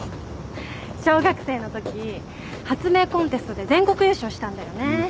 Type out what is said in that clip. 小学生のとき発明コンテストで全国優勝したんだよね。